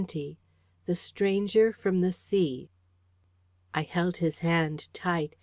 THE STRANGER FROM THE SEA I held his hand tight.